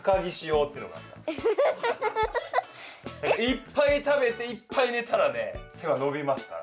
いっぱい食べていっぱいねたらね背はのびますから。